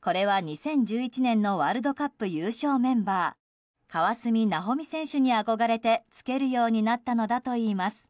これは２０１１年のワールドカップ優勝メンバー川澄奈穂美選手に憧れて着けるようになったのだといいます。